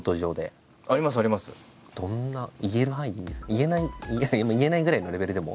言えない言えないぐらいのレベルでも。